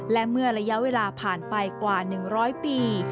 และเมื่อระยะเวลาผ่านไปกว่า๑๐๐ปี